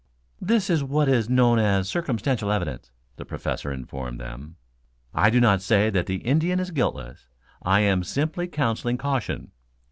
"This is what is known as circumstantial evidence," the Professor informed them. "I do not say that the Indian is guiltless. I am simply counseling caution.